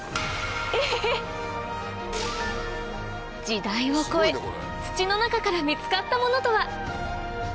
時代を超え土の中から見つかったものとは？